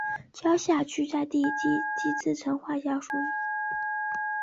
江夏区在地层区划上属扬子地层区下扬子分区大冶小区。